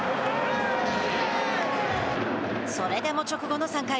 それでも直後の３回。